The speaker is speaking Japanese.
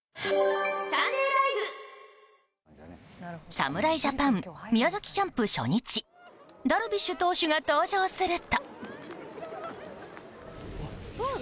侍ジャパン宮崎キャンプ初日ダルビッシュ投手が登場すると。